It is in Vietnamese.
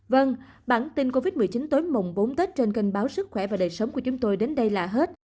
vâng bản tin covid một mươi chín tối mùng bốn tết trên kênh báo sức khỏe và đời sống của chúng tôi đến đây là hết